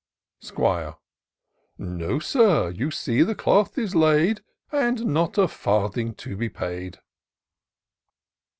'Squire. " No, Sir ; you see the cloth is laid, And not a farthing to be paid."